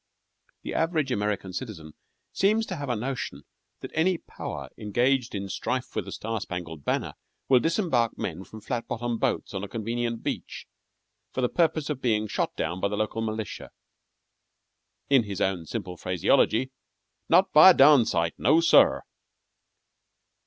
The average American citizen seems to have a notion that any Power engaged in strife with the Star Spangled Banner will disembark men from flat bottomed boats on a convenient beach for the purpose of being shot down by local militia. In his own simple phraseology: "Not by a darned sight. No, sir."